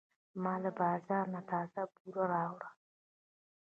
ما له بازار نه تازه بوره راوړه.